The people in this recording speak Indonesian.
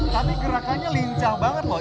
tapi gerakannya lincah banget loh